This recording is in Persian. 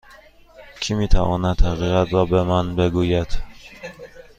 کی می تواند حقیقت را به من بگوید؟